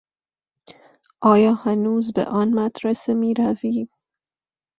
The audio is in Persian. آیا هنوز به آن مدرسه میروی؟